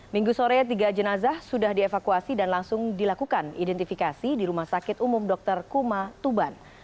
minggu sore tiga jenazah sudah dievakuasi dan langsung dilakukan identifikasi di rumah sakit umum dr kuma tuban